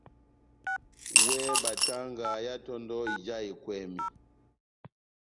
Wɛ batanga yá tondò ija ekwɛmi.